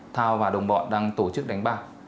thao và đồng bọn đang tổ chức đánh bạc